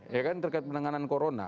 ya kan terkait penanganan corona